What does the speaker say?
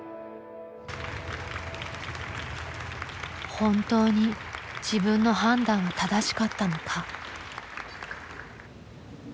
本当に自分の判断は正しかったのか。